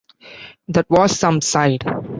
That was some side.